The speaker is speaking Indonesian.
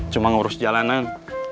cuma ngurus jalanan